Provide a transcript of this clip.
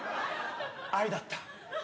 愛だった。